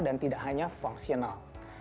dan tidak hanya fungsional